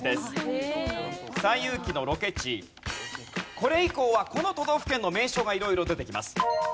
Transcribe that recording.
これ以降はこの都道府県の名所が色々出てきます。